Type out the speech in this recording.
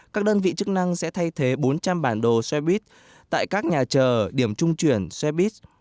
các đơn vị chức năng sẽ thay thế bốn trăm linh bản đồ xe buýt tại các nhà chờ điểm trung chuyển xe buýt